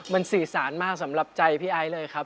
มันสื่อสารมากสำหรับใจพี่ไอซ์เลยครับ